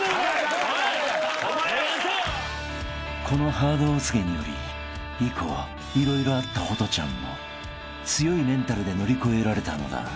［このハードお告げにより以降色々あったホトちゃんも強いメンタルで乗り越えられたのだ］